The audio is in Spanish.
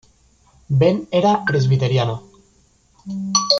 Ben era presbiteriano.